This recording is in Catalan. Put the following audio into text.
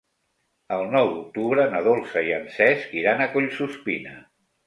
El nou d'octubre na Dolça i en Cesc iran a Collsuspina.